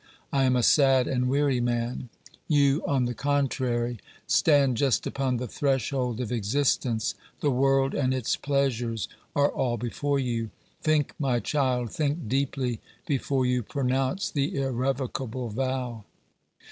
I am a sad and weary man. You, on the contrary, stand just upon the threshold of existence; the world and its pleasures are all before you. Think, my child, think deeply before you pronounce the irrevocable vow."